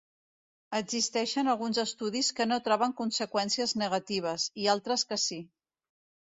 Existeixen alguns estudis que no troben conseqüències negatives, i altres que sí.